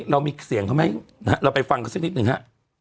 เรามีเสียงเขาไหมนะฮะเราไปฟังกันสักนิดหนึ่งฮะ